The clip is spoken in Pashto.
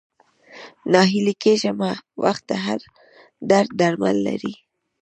ناهيلی کيږه مه ، وخت د هر درد درمل لري